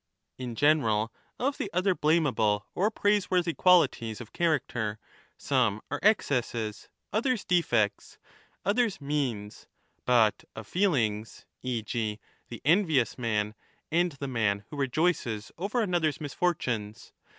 1233" ETHICA EUDEMIA In general of the other blameable or praiseworthy qualities 7 of character some are excesses, others defects, others means, but of feelings, e.g. the envious man and the man who rejoices over another's misfortunes.